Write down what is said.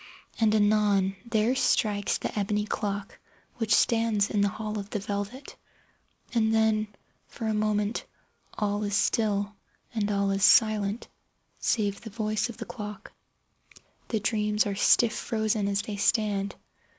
And, anon, there strikes the ebony clock which stands in the hall of the velvet. And then, for a moment, all is still, and all is silent save the voice of the clock. The dreams are stiff frozen as they stand.